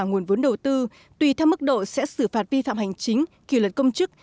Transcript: nguồn vốn đầu tư tùy theo mức độ sẽ xử phạt vi phạm hành chính kỷ luật công chức